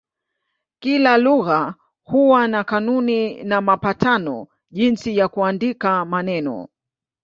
Kila lugha huwa na kanuni na mapatano jinsi ya kuandika maneno.